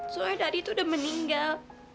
soalnya dadi tuh udah meninggal